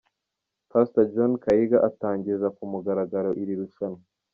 Pastor John Kaiga atangiza kumugaragaro iri rushanwa.